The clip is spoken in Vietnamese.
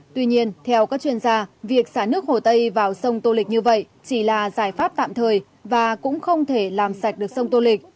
tuy nhiên theo các chuyên gia việc xả nước hồ tây vào sông tô lịch như vậy chỉ là giải pháp tạm thời và cũng không thể làm sạch được sông tô lịch